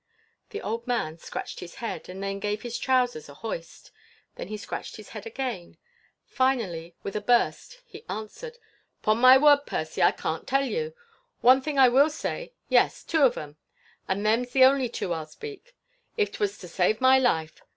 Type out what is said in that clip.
The old man scratched his head, and then gave his trousers a hoist; then he scratched his head again. Finally, with a burst, he answered: "'Pon my word, Percy, I can't tell you. One thing I will say yes, two of 'em and them's the only two I'll speak, if 'twas to save my life!